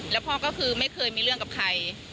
แล้วพ่อก็คือไม่เคยมีเรื่องกับใคร